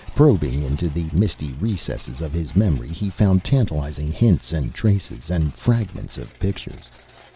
Probing into the misty recesses of his memory, he found tantalizing hints and traces, and fragments of pictures.